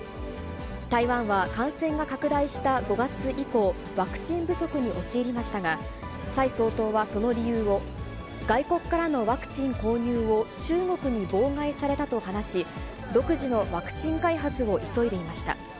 台湾は感染が拡大した５月以降、ワクチン不足に陥りましたが、蔡総統はその理由を、外国からのワクチン購入を中国に妨害されたと話し、独自のワクチン開発を急いでいました。